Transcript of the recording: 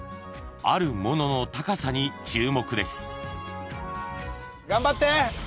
［あるものの高さに注目です］頑張って！